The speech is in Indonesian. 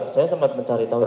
saya sempat mencari tahu